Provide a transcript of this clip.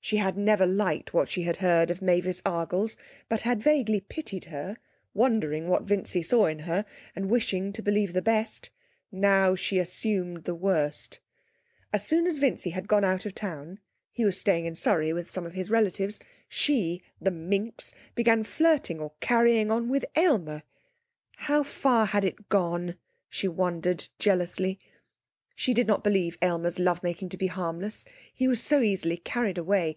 She had never liked what she had heard of Mavis Argles, but had vaguely pitied her, wondering what Vincy saw in her, and wishing to believe the best. Now, she assumed the worst! As soon as Vincy had gone out of town he was staying in Surrey with some of his relatives she, the minx, began flirting or carrying on with Aylmer. How far had it gone? she wondered jealously. She did not believe Aylmer's love making to be harmless. He was so easily carried away.